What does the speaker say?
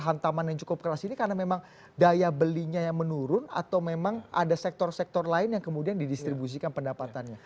hantaman yang cukup keras ini karena memang daya belinya yang menurun atau memang ada sektor sektor lain yang kemudian didistribusikan pendapatannya